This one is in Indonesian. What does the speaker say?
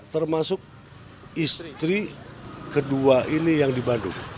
termasuk istri kedua ini yang di bandung